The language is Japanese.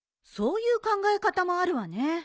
そういう考え方もあるわね。